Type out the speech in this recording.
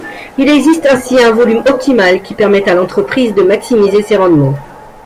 Il existe ainsi un volume optimal qui permet à l'entreprise de maximiser ses rendements.